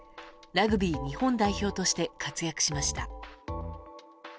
ラグビー日本代表として活躍しました。